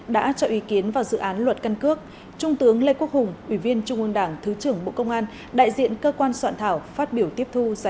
đã trợi dựng các dự án luật này